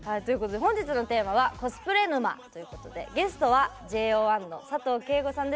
本日のテーマはコスプレ沼ということでゲストは、ＪＯ１の佐藤景瑚さんです。